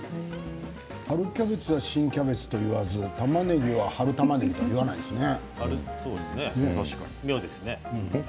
キャベツは新キャベツといわずたまねぎは春たまねぎとは言わないんですね。